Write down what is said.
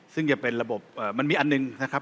ซึ่งจะเป็นระบบมันมีอันหนึ่งนะครับ